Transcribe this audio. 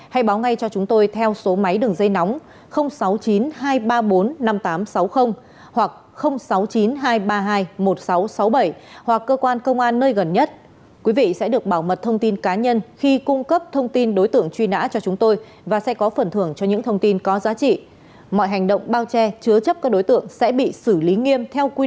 hãy đăng ký kênh để ủng hộ kênh của chúng mình nhé